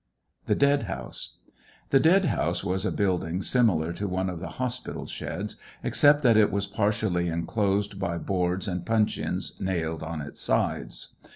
THE DEAD HOUSE. The dead house was a building similar to one of the hospital sheds except that it was partially enclosed by boards and puncheons nailed on its sides.